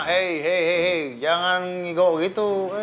hei hei hei jangan ngigau gitu